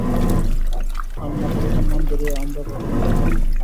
আর মাতাপিতার নাম ধরিয়া আমরা কখনই ডাকি না।